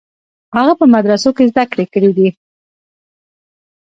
هغه په مدرسو کې زده کړې کړې دي.